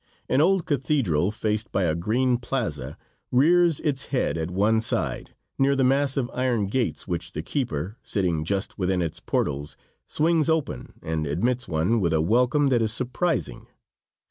An old cathedral, faced by a green plaza, rears its head at one side, near the massive iron gates which the keeper, sitting just within its portals, swings open and admits one with a welcome that is surprising.